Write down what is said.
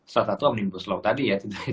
selatan tua menimbul slow tadi ya